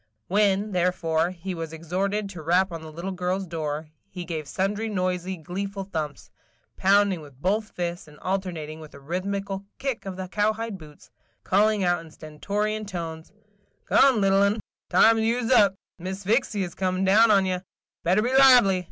When, therefore, he was exhorted to rap on the little girl's door, he gave sundry noisy, gleeful thumps, – pounding with both fists, and alternating with a rhythmical kick of the cowhide boots, calling out in stentorian tones: "Come, little un, – time you 's up. Miss Sphyxy's comin' down on ye. Better be lively!